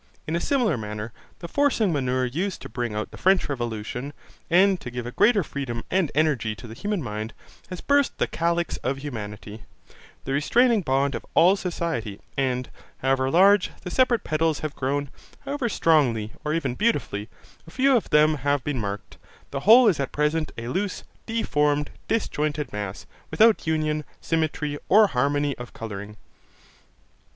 In a similar manner, the forcing manure used to bring about the French Revolution, and to give a greater freedom and energy to the human mind, has burst the calyx of humanity, the restraining bond of all society; and, however large the separate petals have grown, however strongly, or even beautifully, a few of them have been marked, the whole is at present a loose, deformed, disjointed mass, without union, symmetry, or harmony of colouring.